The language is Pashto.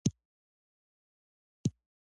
افغانستان د تالابونو په اړه مشهور تاریخی روایتونه لري.